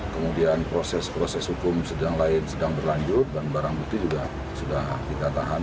kemudian proses proses hukum sedang lain sedang berlanjut dan barang bukti juga sudah kita tahan